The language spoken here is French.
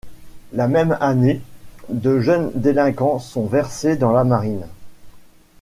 La même année, de jeunes délinquants sont versés dans la marine.